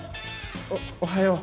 「おっおはよう」。